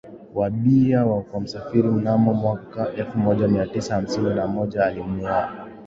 wa bia kwa wasafiri Mnamo mwaka elfu moja mia tisa hamsini na moja alimuoa